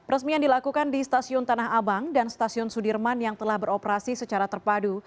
resmi yang dilakukan di stasiun tanah abang dan stasiun sudirman yang telah beroperasi secara terpadu